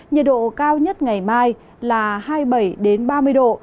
nhiệt độ cao nhất ngày mai là hai mươi bảy ba mươi độ